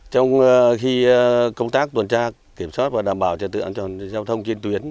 trong khi công tác tuần tra kiểm soát và đảm bảo trật tự an toàn giao thông trên tuyến